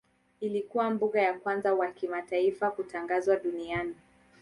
Ilikuwa mbuga ya kwanza wa kitaifa kutangazwa duniani.